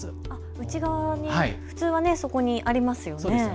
内側に普通は首元にありますよね。